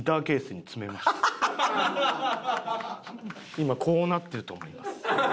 今こうなってると思います。